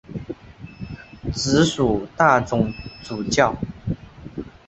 直属大总主教。